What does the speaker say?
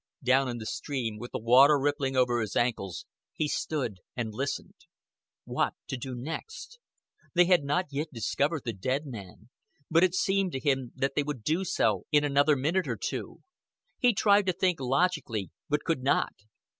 Down in the stream, with the water rippling over his ankles, he stood and listened. What to do next? They had not yet discovered the dead man; but it seemed to him that they would do so in another minute or two. He tried to think logically, but could not.